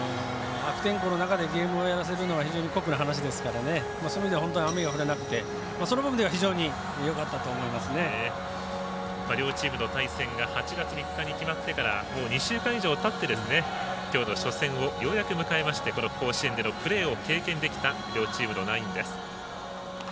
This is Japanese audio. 悪天候の中ゲームをやらせるのは非常に酷な話ですからそういう意味では雨が降らなくてその部分では両チームの対戦が８月３日に決まってからもう２週間以上たってからきょうの初戦をようやく迎えましてこの甲子園でのプレーを経験できた両チームのナインです。